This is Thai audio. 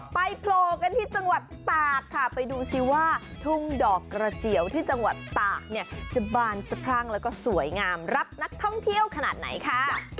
โผล่กันที่จังหวัดตากค่ะไปดูสิว่าทุ่งดอกกระเจียวที่จังหวัดตากเนี่ยจะบานสะพรั่งแล้วก็สวยงามรับนักท่องเที่ยวขนาดไหนค่ะ